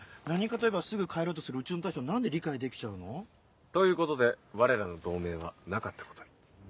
何かといえばすぐ帰ろうとするうちの大将何で理解できちゃうの？ということでわれらの同盟はなかったことに。